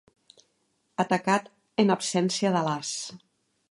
Atacat en absència de l'as.